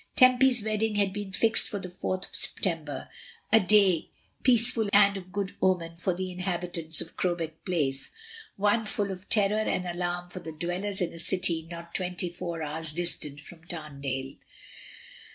Tempy's wedding had been fixed for the 4th of September, a day peaceful and of good omen for the inhabitants of Crowbeck Place, one full of terror and alarm for the dwellers in a city not twenty four hours distant from Tarndale.